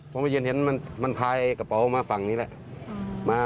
พอมาเย็นเห็นมันพายกระเป๋ามาฝั่งนี้แหละ